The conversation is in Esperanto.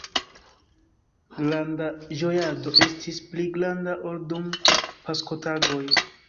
Granda ĝojado estis, pli granda ol dum Paskotagoj.